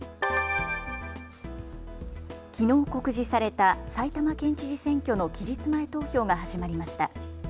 きのう告示された埼玉県知事選挙の期日前投票が始まりました。